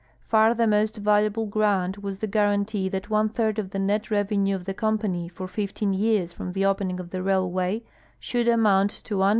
Far the most valuable grant was the guaranty that one third of the net revenue of the coinpaii}'' for fifteen years from the opening of the raihvay should amount to $1,2.